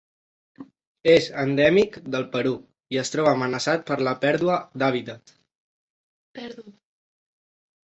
És endèmic del Perú i es troba amenaçat per la pèrdua d'hàbitat.